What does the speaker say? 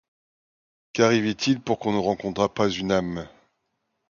Qu'arrivait-il, pour qu'on ne rencontrât pas une âme?